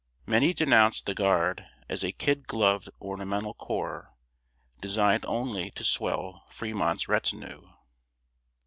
Many denounced the Guard as a "kid gloved," ornamental corps, designed only to swell Fremont's retinue.